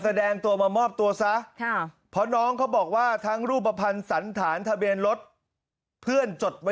หนูก็พี่จอดพี่จอดเขาก็ไม่พูดอะไรหนูก็เลยกระโดดลงทางที่เขาขี่รถเครื่องอย่างนั้น